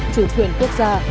chủ quyền quốc gia